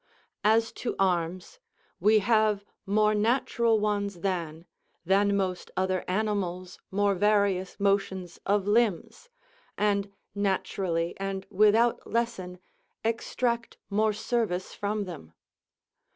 As to arms, we have more natural ones than than most other animals more various motions of limbs, and naturally and without lesson extract more service from them.